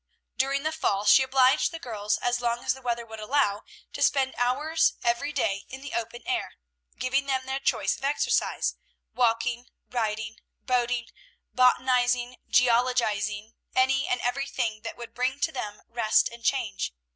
During the fall she obliged the girls, as long as the weather would allow, to spend hours every day in the open air, giving them their choice of exercise, walking, riding, boating, botanizing, geologizing, any and every thing that would bring to them rest and change.